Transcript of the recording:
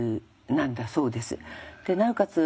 でなおかつ